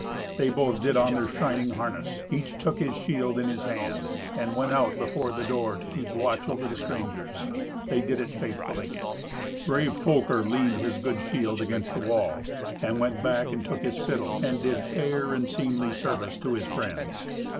They both did on their shining harness. Each took his shield in his hand, and went out before the door to keep watch over the strangers. They did it faithfully. Brave Folker leaned his good shield against the wall, and went back and took his fiddle, and did fair and seemly service to his friends.